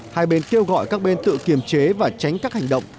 hai bên kêu gọi các bên tự kiềm chế và tránh các hành động